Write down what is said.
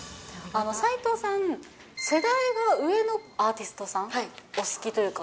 齊藤さん、世代が上のアーティストさんを、お好きというか。